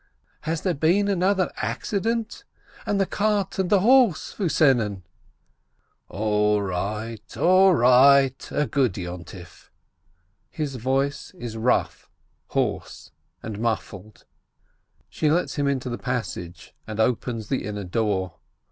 Has there been another accident? And the cart and the horse, wu senen?" "All right, all right ! A happy holiday !" His voice is rough, hoarse, and muffled. She lets him into the passage, and opens the inner door.